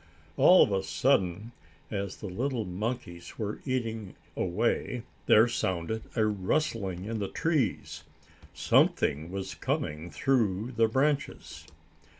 All of a sudden, as the little monkeys were eating away, there sounded a rustling in the trees. Something was coming through the branches.